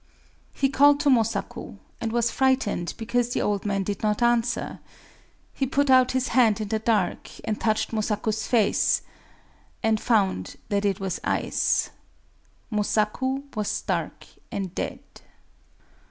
He called to Mosaku, and was frightened because the old man did not answer. He put out his hand in the dark, and touched Mosaku's face, and found that it was ice! Mosaku was stark and dead...